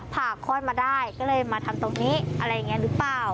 ผ่าคลอดมาได้ก็เลยมาทำตรงนี้อะไรอย่างนี้หรือเปล่า